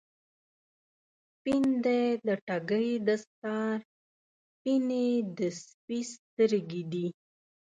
سپین دی د ټګۍ دستار، سپینې د سپي سترګی دي